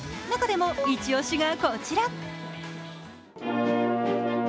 中でもイチオシが、こちら。